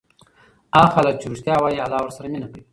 هغه خلک چې ریښتیا وایي الله ورسره مینه کوي.